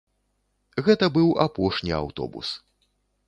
Гэта быў апошні аўтобус.